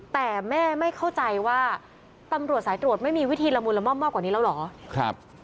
แต่แม่ไม่เข้าใจว่าตำรวจสายตรวจไม่มีวิธีละมุนละม่อมมากกว่านี้แล้วเหรอ